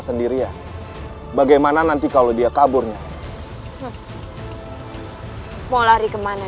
sendirian bagaimana nanti kalau dia kaburnya mau lari kemana